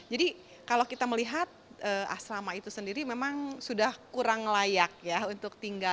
jadi kalau kita melihat asrama itu sendiri memang sudah kurang layak ya untuk tinggal